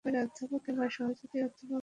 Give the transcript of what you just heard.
অধ্যাপক কিংবা সহযোগী অধ্যাপক নেই।